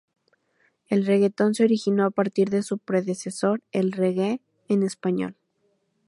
El reggaetón se originó a partir de su predecesor el reggae en español.